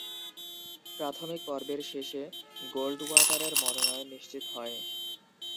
প্রাথমিক পর্বের শেষে গোল্ডওয়াটারের মনোনয়ন নিশ্চিত হয়।